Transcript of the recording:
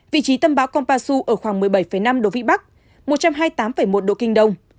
vị trí tâm bão konpasu ở khoảng một mươi bảy năm độ vĩ bắc một trăm hai mươi tám một độ kinh đông